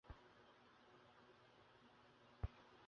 ডমিনোর মুখে শুনলাম সেদিন অনেক সাহায্য করেছিলে।